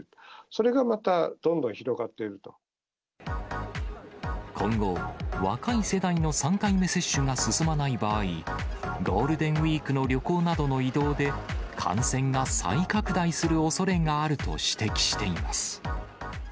それがまたどんどん広がっている今後、若い世代の３回目接種が進まない場合、ゴールデンウィークの旅行などの移動で、感染が再拡大するおそれがあると指摘しています。